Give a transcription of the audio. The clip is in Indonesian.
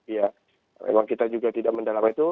ya memang kita juga tidak mendalami itu